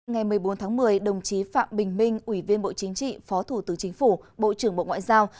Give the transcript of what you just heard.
ngày một mươi bốn tháng một mươi đồng chí phạm bình minh ủy viên bộ chính trị phó thủ tướng chính phủ bộ trưởng bộ ngoại giao